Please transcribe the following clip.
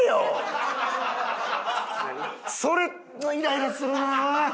それイライラするなあ！